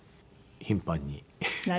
頻繁に。